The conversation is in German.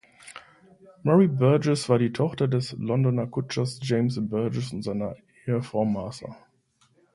Marie Burgess war die Tochter des Londoner Kutschers James Burgess und seiner Ehefrau Martha.